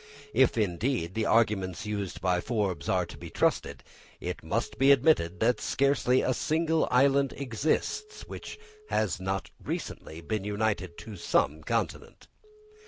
If, indeed, the arguments used by Forbes are to be trusted, it must be admitted that scarcely a single island exists which has not recently been united to some continent.